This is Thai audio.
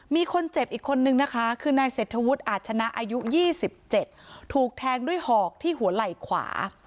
มีคนเจ็บอีกคนนึงนะคะคือนายเศรษฐวุฒิอาชนะอายุ๒๗ถูกแทงด้วยหอกที่หัวไหล่ขวา